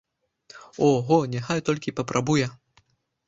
Ого, няхай толькі папрабуе!